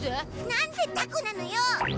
なんでタコなのよ！